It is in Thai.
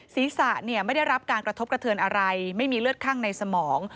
ศีรษะไม่ได้รับการกระทบกระเทือนอะไรไม่มีเลือดข้างในสมอง